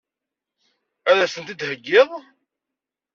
Ad as-tent-id-theggiḍ?